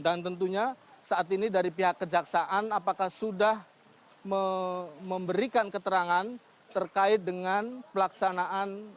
dan tentunya saat ini dari pihak kejaksaan apakah sudah memberikan keterangan terkait dengan pelaksanaan